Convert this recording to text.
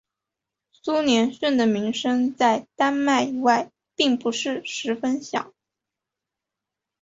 苏连逊的名声在丹麦以外并不是十分响。